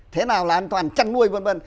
thế nào là an toàn chăn nuôi v v